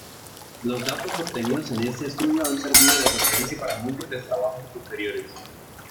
Los datos obtenidos en este estudio han servido de referencia para múltiples trabajos posteriores.